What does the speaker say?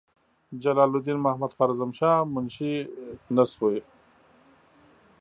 جلال الدین محمدخوارزمشاه منشي نسوي.